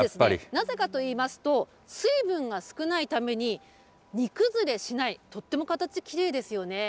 なぜかといいますと、水分が少ないために、煮崩れしない、とっても形きれいですよね。